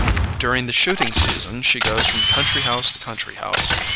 During the shooting season she goes from country house to country house.